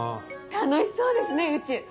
楽しそうですね宇宙。